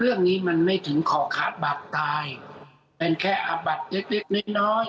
เรื่องนี้มันไม่ถึงขอขาดบาปตายเป็นแค่อาบัติเล็กเล็กน้อยน้อย